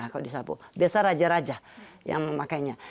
kalau di sabu biasa raja raja yang memakainya